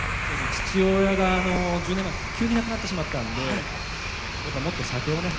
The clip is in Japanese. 父親が１０年前に急に亡くなってしまったんでもっと酒をね